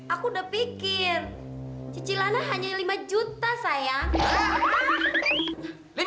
aku udah pikir cicilannya hanya lima juta sayang